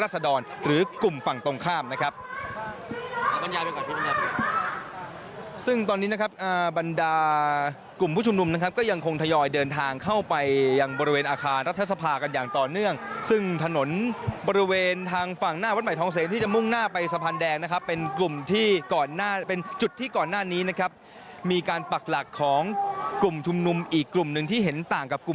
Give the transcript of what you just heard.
ซึ่งตอนนี้นะครับบรรดากลุ่มผู้ชุมนุมนะครับก็ยังคงทยอยเดินทางเข้าไปยังบริเวณอาคารรัฐสภากันอย่างต่อเนื่องซึ่งถนนบริเวณทางฝั่งหน้าวัดใหม่ทองเสงที่จะมุ่งหน้าไปสะพานแดงนะครับเป็นกลุ่มที่ก่อนหน้าเป็นจุดที่ก่อนหน้านี้นะครับมีการปักหลักของกลุ่มชุมนุมอีกกลุ่มหนึ่งที่เห็นต่างกับกลุ่ม